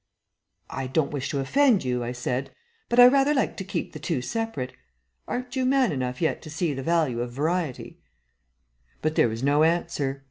"I don't wish to offend you," I said, "but I rather like to keep the two separate. Aren't you man enough yet to see the value of variety?" But there was no answer.